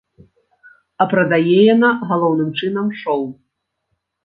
А прадае яна, галоўным чынам, шоў.